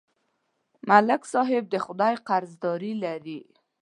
ملک صاحب د خدای قرضداري لري